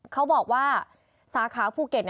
เขาบอกว่าสาขาภูเก็ต